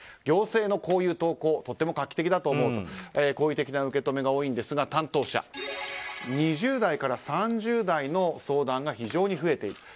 行政のこういう投稿はとても画期的だと思うという好意的な受け止めが多いんですが担当者２０代から３０代の相談が非常に増えている。